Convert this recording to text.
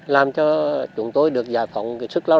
làm cho chúng tôi được giải phóng sức lao